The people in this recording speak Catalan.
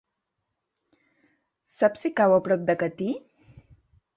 Saps si cau a prop de Catí?